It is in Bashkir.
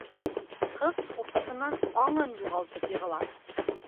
Ҡыҙ ҡурҡышынан аңын юғалтып йығыла.